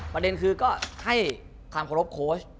ประเด็นคือก็ให้ความเคารพโค้ช